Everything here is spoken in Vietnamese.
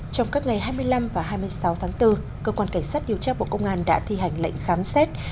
trong các ngày hai mươi năm và hai mươi sáu tháng bốn cơ quan cảnh sát điều tra bộ công an đã thi hành lệnh khám xét